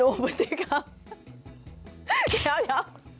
เดี๋ยว